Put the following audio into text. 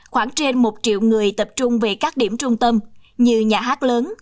khoảng trên một triệu người tập trung về các điểm trung tâm như nhà hát lớn